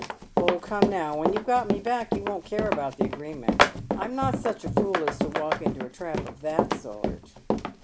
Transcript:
"Oh, come now, when you've got me back you won't care about the agreement. I'm not such a fool as to walk into a trap of that sort."